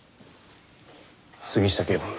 杉下警部